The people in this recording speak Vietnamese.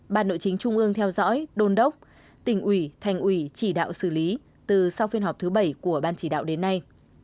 ban nội chính trung ương theo dõi đôn đốc tỉnh ủy thành ủy chỉ đạo xử lý từ sau phiên họp thứ bảy của ban chỉ đạo đến nay